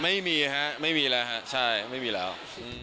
ไม่มีฮะไม่มีแล้วฮะใช่ไม่มีแล้ว